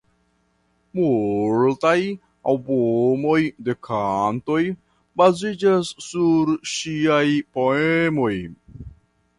Multaj albumoj de kantoj baziĝas sur ŝiaj poemoj.